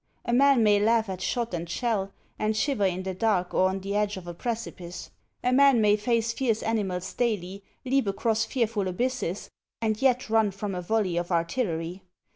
A man may laugh at shot and shell, and shiver in the dark or on the edge of a precipice ; a man may face fierce animals daily, leap across fearful abysses, and yet run from a volley of artillery.